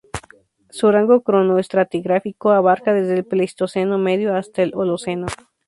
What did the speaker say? Su rango cronoestratigráfico abarca desde el Pleistoceno medio hasta el Holoceno.